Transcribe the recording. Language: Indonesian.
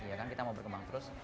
iya kan kita mau berkembang terus